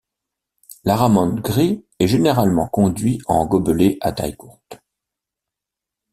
L’aramon gris est généralement conduit en gobelet à taille courte.